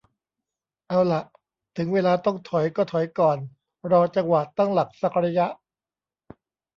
เอาล่ะ ถึงเวลาต้องถอยก็ถอยก่อน รอจังหวะตั้งหลักสักระยะ